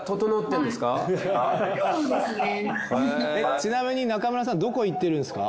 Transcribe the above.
ちなみに中村さんどこ行ってるんすか？